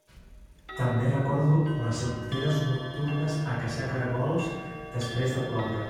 També recordo les sortides nocturnes a caçar caragols després de ploure.